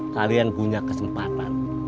kalian punya kesempatan